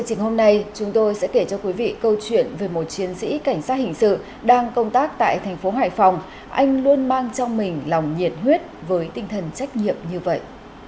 cảnh sát hình sự đang công tác tại thành phố hải phòng anh luôn mang trong mình lòng nhiệt huyết với tinh thần trách nhiệm như vậy